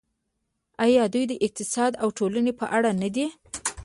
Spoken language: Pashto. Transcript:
آیا دوی د اقتصاد او ټولنې په اړه نه دي؟